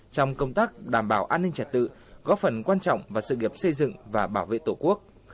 trong công tác đảm bảo an ninh trật tự góp phần quan trọng vào sự nghiệp xây dựng và bảo vệ tổ quốc